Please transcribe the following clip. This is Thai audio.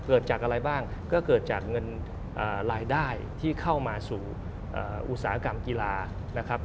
เกิดจากอะไรบ้างก็เกิดจากเงินรายได้ที่เข้ามาสู่อุตสาหกรรมกีฬานะครับ